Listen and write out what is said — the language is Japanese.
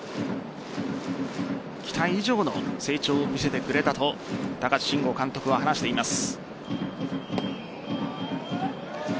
期待以上の成長を見せてくれたと高津臣吾監督は話しています。